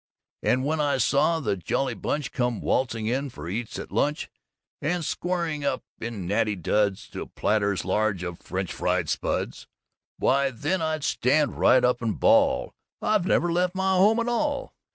And when I saw the jolly bunch come waltzing in for eats at lunch, and squaring up in natty duds to platters large of French Fried spuds, why then I'd stand right up and bawl, "I've never left my home at all!"